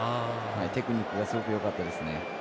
テクニックがすごくよかったですね。